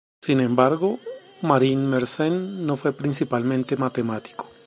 Sin embargo, Marin Mersenne no fue principalmente matemático.